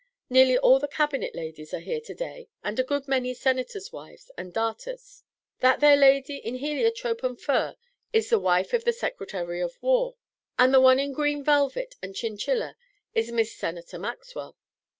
Nearly all the Cabinet ladies are here to day and a good many Senators' wives and darters. That there lady in heliotrope and fur is the wife of the Secretary of War, and the one in green velvet and chinchilla is Mis' Senator Maxwell.